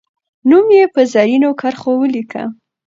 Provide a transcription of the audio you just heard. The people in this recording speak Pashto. نوم یې په زرینو کرښو ولیکه.